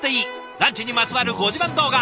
ランチにまつわるご自慢動画